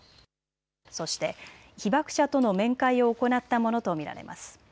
そして被爆者との面会を行ったものと見られます。